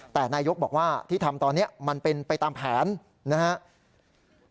แต่นายกบอกว่าที่ทำตอนนี้มันเป็นไปตามแผนนะครับ